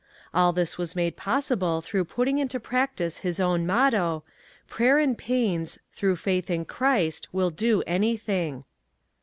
All this was made possible through putting into practice his own motto, "Prayer and pains, through faith in Christ, will do anything."